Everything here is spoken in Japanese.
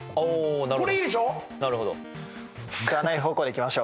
これいいでしょ？